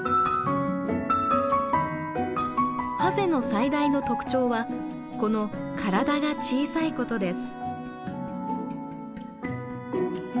ハゼの最大の特徴はこの体が小さいことです。